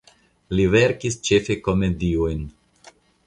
Li verkis ĉefe komediojn.